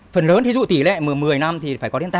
phần lớn thì dụ tỷ lệ một mươi năm thì phải có đến